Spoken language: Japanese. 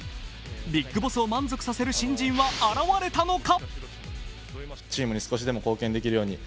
ビッグボスを満足させる新人は現れたのか？